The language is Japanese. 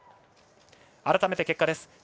改めて結果です。